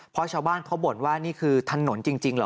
เพราะชาวบ้านเขาบ่นว่านี่คือถนนจริงเหรอ